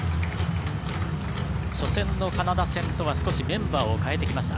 初戦のカナダ戦とは少し、メンバーを変えてきました。